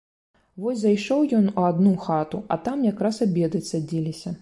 Вось зайшоў ён у адну хату, а там якраз абедаць садзіліся.